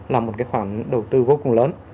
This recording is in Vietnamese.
là một khoản đầu tư vô cùng lớn